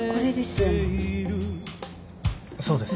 そうです。